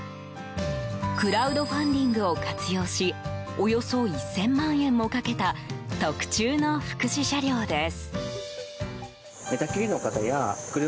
クラウドファンディングを活用しおよそ１０００万円もかけた特製の福祉車両です。